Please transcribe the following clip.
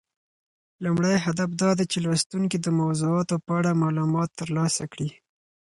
لومړی هدف دا دی چې لوستونکي د موضوعاتو په اړه معلومات ترلاسه کړي.